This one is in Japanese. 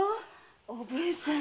おぶんさん